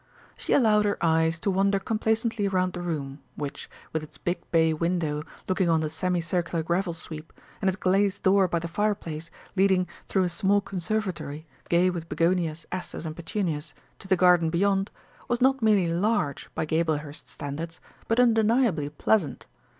She allowed her eyes to wander complacently round the room, which, with its big bay window looking on the semi circular gravel sweep, and its glazed door by the fireplace leading through a small conservatory, gay with begonias, asters, and petunias to the garden beyond, was not merely large, by Gablehurst standards, but undeniably pleasant.